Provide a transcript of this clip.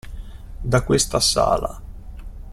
Da questa sala.